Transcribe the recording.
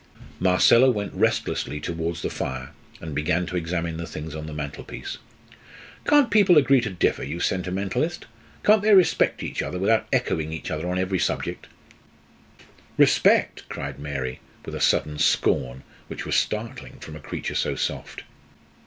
Marcella went restlessly towards the fire and began to examine the things on the mantelpiece. "Can't people agree to differ, you sentimentalist? Can't they respect each other, without echoing each other on every subject?" "Respect!" cried Mary, with a sudden scorn, which was startling from a creature so soft.